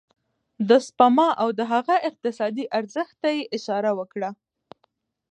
د سپما او د هغه اقتصادي ارزښت ته يې اشاره وکړه.